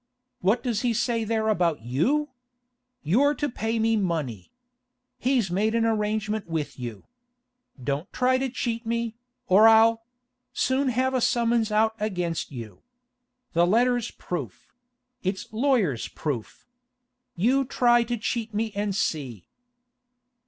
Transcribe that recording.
What does he say there about you? You're to pay me money. He's made arrangements with you. Don't try to cheat me, or I'll—soon have a summons out against you. The letter's proof; it's lawyer's proof. You try to cheat me and see.